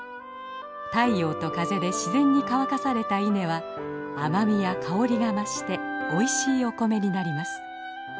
太陽と風で自然に乾かされた稲は甘みや香りが増しておいしいお米になります。